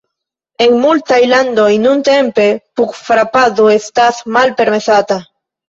En multaj landoj nuntempe pugfrapado estas malpermesata.